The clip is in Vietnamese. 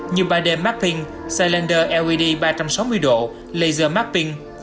như ba d mapping cylinder led ba trăm sáu mươi độ laser mapping